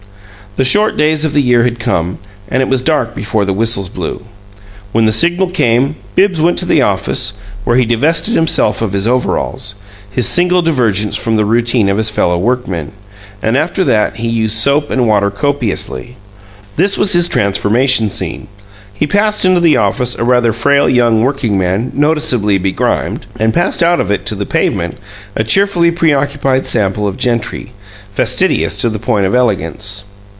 The short days of the year had come, and it was dark before the whistles blew. When the signal came, Bibbs went to the office, where he divested himself of his overalls his single divergence from the routine of his fellow workmen and after that he used soap and water copiously. This was his transformation scene: he passed into the office a rather frail young working man noticeably begrimed, and passed out of it to the pavement a cheerfully pre occupied sample of gentry, fastidious to the point of elegance.